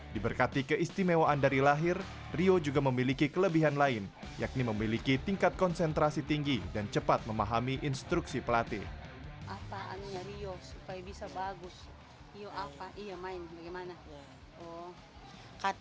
diberkati keistimewaan dari lahir rio juga memiliki kelebihan lain yakni memiliki tingkat konsentrasi tinggi dan cepat memahami instruksi pelatih